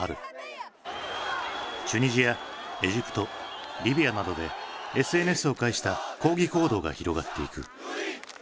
チュニジアエジプトリビアなどでＳＮＳを介した抗議行動が広がっていく。